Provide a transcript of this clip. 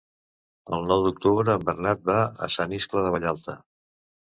El nou d'octubre en Bernat va a Sant Iscle de Vallalta.